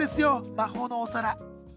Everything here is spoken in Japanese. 魔法のお皿。